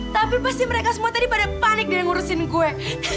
tapi pasti mereka semua tadi pada panik darren ngurusin gue